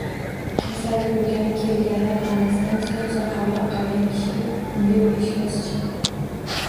Kasal ko`rgani kelganlar xonasidan soch-soqoli oqargan kishi unga peshvoz chiqdi